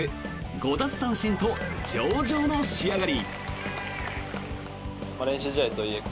５奪三振と上々の仕上がり。